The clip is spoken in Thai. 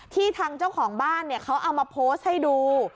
ทางเจ้าของบ้านเขาเอามาโพสต์ให้ดู